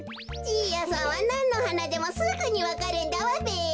じいやさんはなんのはなでもすぐにわかるんだわべ。